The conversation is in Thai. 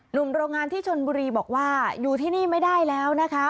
โรงงานที่ชนบุรีบอกว่าอยู่ที่นี่ไม่ได้แล้วนะคะ